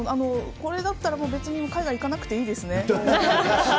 これだったらもう別に海外行かなくていいですね。